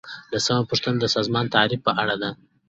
لسمه پوښتنه د سازمان د تعریف په اړه ده.